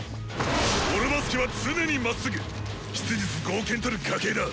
オロバス家は常にまっすぐ質実剛健たる家系だ！